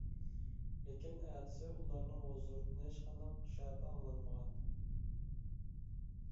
لېكىن ئەتىسى ئۇلارنىڭ ھۇزۇرىدىن ھېچ قانداق شەپە ئاڭلانمىغان.